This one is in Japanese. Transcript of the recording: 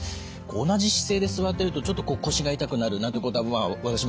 同じ姿勢で座ってるとちょっとこう腰が痛くなるなんてことはまあ私もありますけれどね。